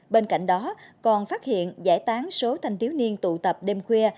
bên cạnh đó còn phát hiện giải tán số thanh thiếu niên tụ tập đêm khuya